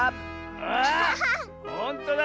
あほんとだ！